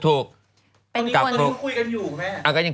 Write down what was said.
ตอนนี้ก็คุยกันอยู่ไหม